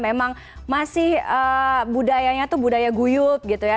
memang masih budayanya itu budaya guyup gitu ya